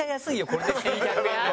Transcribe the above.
これで１１００円は。